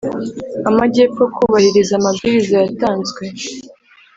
Amajyepfo kubahiriza amabwiriza yatanzwe